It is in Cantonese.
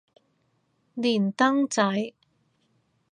連登仔